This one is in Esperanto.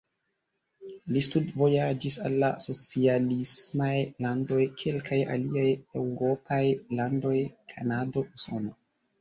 Li studvojaĝis al la socialismaj landoj, kelkaj aliaj eŭropaj landoj, Kanado, Usono.